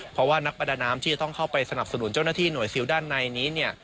เพราะว่านักประดาน้ำที่จะต้องเข้าไปสนับสนุนเจ้าหน้าที่หน่วยซิลด้านในนี้